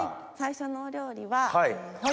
最初のお料理は。